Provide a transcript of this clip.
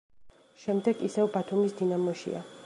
შემდეგ ისევ ბათუმის „დინამოშია“.